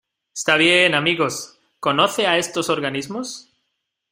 Está bien. Amigos .¿ conoce a estos organismos?